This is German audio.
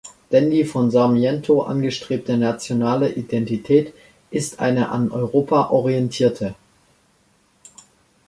Denn die von Sarmiento angestrebte nationale Identität ist eine an Europa orientierte.